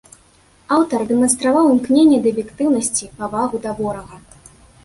Аўтар дэманстраваў імкненне да аб'ектыўнасці, павагу да ворага.